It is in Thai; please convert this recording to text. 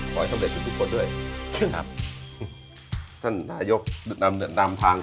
ขอให้สำเร็จทุกทุกคนด้วยครับท่านนายกนำนำนำทางต่อ